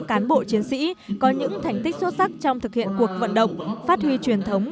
cán bộ chiến sĩ có những thành tích xuất sắc trong thực hiện cuộc vận động phát huy truyền thống